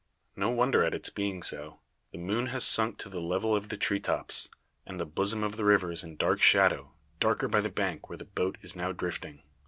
No wonder at its being so. The moon has sunk to the level of the tree tops, and the bosom of the river is in dark shadow; darker by the bank where the boat is now drifting.